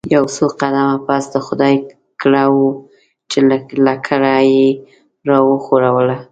یو څو قدمه پس د خدای کړه وو چې لکړه یې راوښوروله.